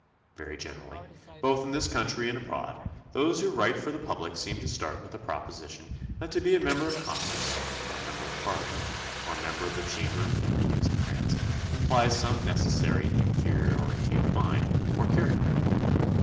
Very generally, both in this country and abroad, those who write for the public seem to start with the proposition that to be a member of Congress, or a member of Parliament, or a member of the Chamber of Deputies in France, implies some necessary inferiority of mind or char acter.